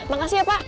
makasih ya pak